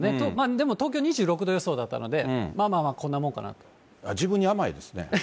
でも東京２６度予想だったので、まあまあこんな自分に甘いですね。